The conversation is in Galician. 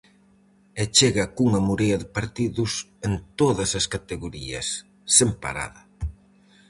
E chega cunha morea de partidos en todas as categorías, sen parada.